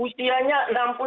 ustianya enam puluh enam tahun